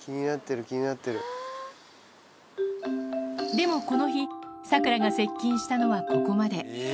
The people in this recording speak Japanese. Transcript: でもこの日、サクラが接近したのはここまで。